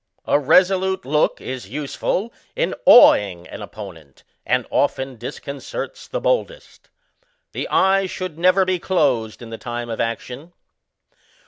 A resolute look is useAil in awing an opponent, and often disconcerts the boldest. The eye should never be closed in the time of action.